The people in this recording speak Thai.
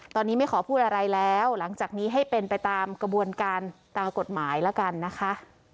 ตอนนี้ไม่ขอพูดอะไรแล้วหลังจากนี้ให้เป็นไปตามกระบวนการตามกฎหมายแล้วกันนะคะ